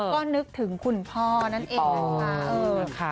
ก็นึกถึงคุณสัมภัย